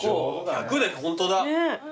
１００でホントだ。